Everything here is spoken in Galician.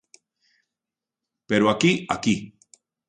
Pero aquí, aquí.